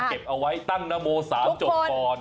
เก็บเอาไว้ตั้งนโม๓จบก่อน